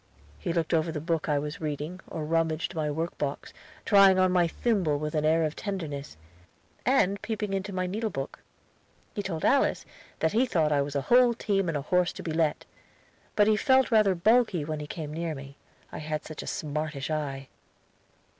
He looked over the book I was reading or rummaged my workbox, trying on my thimble with an air of tenderness, and peeping into my needlebook. He told Alice that he thought I was a whole team and a horse to let, but he felt rather balky when he came near me, I had such a smartish eye.